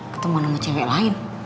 ketemuan sama cewek lain